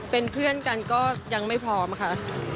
เป็นเพื่อนกันก็ยังไม่พร้อมค่ะ